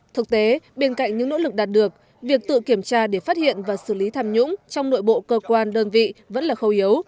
thực tế bên cạnh những nỗ lực đạt được việc tự kiểm tra để phát hiện và xử lý tham nhũng trong nội bộ cơ quan đơn vị vẫn là khâu yếu